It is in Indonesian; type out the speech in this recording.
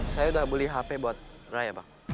saya udah beli hp buat raya bang